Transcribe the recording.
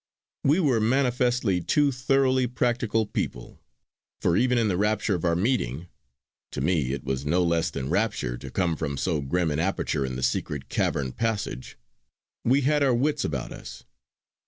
We were manifestly two thoroughly practical people, for even in the rapture of our meeting to me it was no less than rapture to come from so grim an aperture in the secret cavern passage we had our wits about us.